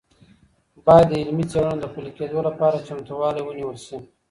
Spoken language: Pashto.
باید د علمي څیړنو د پلي کيدو لپاره چمتووالی ونیول سي.